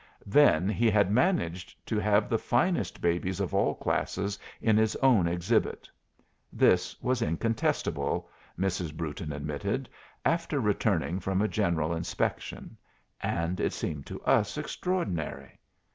Then, he had managed to have the finest babies of all classes in his own exhibit. This was incontestable, Mrs. Brewton admitted, after returning from a general inspection; and it seemed to us extraordinary.